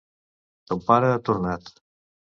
Ton pare ha tornat.